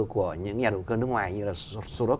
của những nhà đầu cơ nước ngoài như là sodup